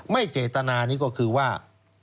ไม่เจตนานี่ก็คือว่า